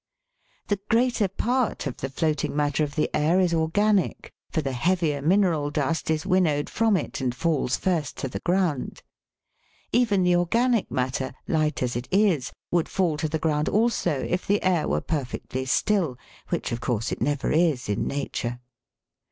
17 The greater part of the floating matter of the air is organic, for the heavier mineral dust is winnowed from it, and falls first to the ground. Even the organic matter, light as it is, would fall to the ground also, if the air were perfectly still, which, of course, it never is in Nature.